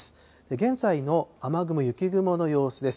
現在の雨雲、雪雲の様子です。